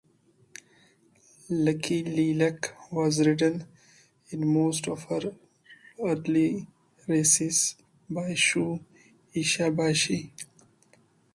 Lucky Lilac was ridden in most of her early races by Shu Ishibashi.